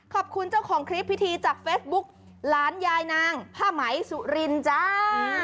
ขอบคุณเจ้าของคลิปพิธีจากเฟซบุ๊กหลานยายนางผ้าไหมสุรินจ้า